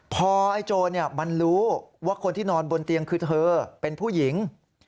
พอไอ้โจรมันรู้ว่าคนที่นอนบนเตียงคือเธอเป็นผู้หญิง